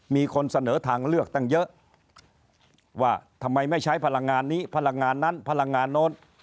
มีคนเสนอทางเลือกตั้งเยอะว่าทำไมไม่ใช้พลังงานนี้พลังงานนั้นพลังงานโน้น